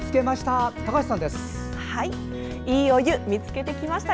「＃いいお湯見つけました」。